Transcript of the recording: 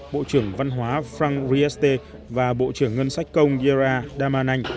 bộ trưởng văn hóa franck riester và bộ trưởng ngân sách công yera daman anh